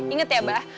ingat ya abah